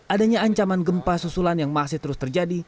adanya ancaman gempa susulan yang masih terus terjadi